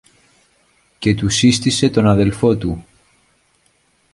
και του σύστησε τον αδελφό του.